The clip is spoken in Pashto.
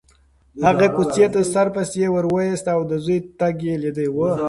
هغې کوڅې ته سر پسې وروایست او د زوی تګ یې لیده.